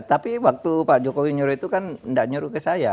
tapi waktu pak jokowi nyuruh itu kan tidak nyuruh ke saya